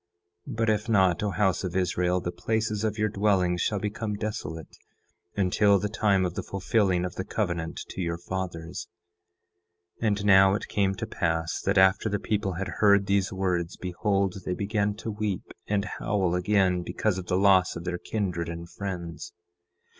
10:7 But if not, O house of Israel, the places of your dwellings shall become desolate until the time of the fulfilling of the covenant to your fathers. 10:8 And now it came to pass that after the people had heard these words, behold, they began to weep and howl again because of the loss of their kindred and friends.